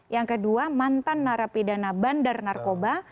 yang kedua mantan narapidana bandar narkoba